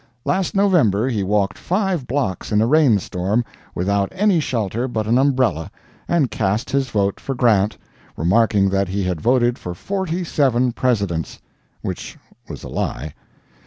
Last November he walked five blocks in a rainstorm, without any shelter but an umbrella, and cast his vote for Grant, remarking that he had voted for forty seven presidents which was a lie.